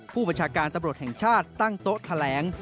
ผู้บัญชาการตำรวจแห่งชาติตั้งโต๊ะแถลง